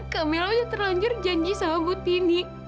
kamila udah terlanjur janji sama butini